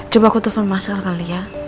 coba aku telfon masal kali ya